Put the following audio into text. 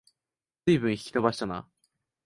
ずいぶん引き延ばしたな